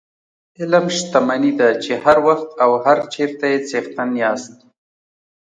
علم شتمني ده چې هر وخت او هر چېرته یې څښتن یاست.